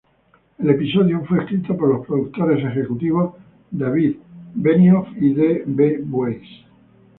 El episodio fue escrito por los productores ejecutivos David Benioff y D. B. Weiss.